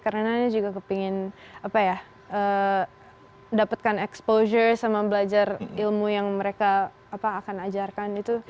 karena dia juga kepingin dapetkan exposure sama belajar ilmu yang mereka akan ajarkan itu